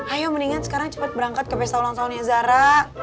ayo mendingan sekarang cepat berangkat ke pesta ulang tahunnya zara